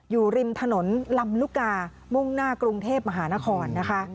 อยู่ริมถนนลำลุกามุ่งหน้ากรุงเทพมหานครนะคะ